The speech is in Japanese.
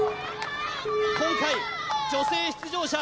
今回女性出場者